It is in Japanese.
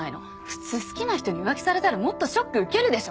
普通好きな人に浮気されたらもっとショック受けるでしょ。